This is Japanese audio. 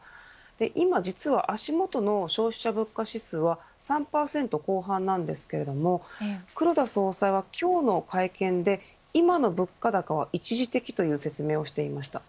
今、実は足元の消費者物価指数は３％後半なんですけれども黒田総裁は今日の会見で今の物価高は一時的という説明をしていました。